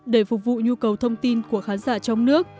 để phục vụ nhu cầu thông tin của khán giả trong nước